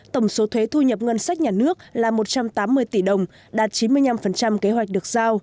tổng số thuế thu nhập ngân sách nhà nước là một trăm tám mươi tỷ đồng đạt chín mươi năm kế hoạch được giao